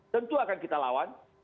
tentu akan kita lawan